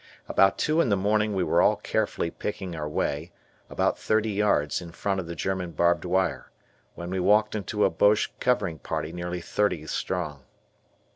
Around two in the morning we were carefully picking our way, about thirty yards in front of the German barbed wire, when we walked into a Boche covering party nearly thirty strong.